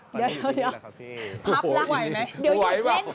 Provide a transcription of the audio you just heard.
เดี๋ยวครับแล้วไหวไหม